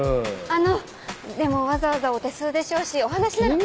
あのでもわざわざお手数でしょうしお話なら。